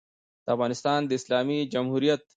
د افغانستان د اسلامي جمهوریت